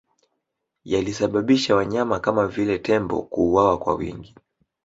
Yalisababisha wanyama kama vile tembo kuuawa kwa wingi